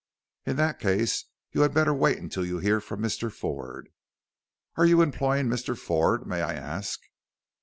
"In that case you had better wait till you hear from Mr. Ford." "Are you employing Mr. Ford, may I ask?"